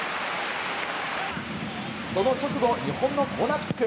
その直後日本のコーナーキック。